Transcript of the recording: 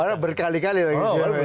padahal berkali kali lagi